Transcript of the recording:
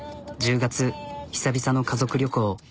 １０月久々の家族旅行。